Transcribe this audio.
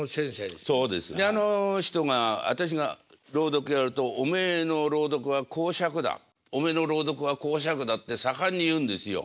であの人が私が朗読やるとおめえの朗読は講釈だおめえの朗読は講釈だって盛んに言うんですよ。